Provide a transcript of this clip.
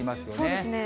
そうですね。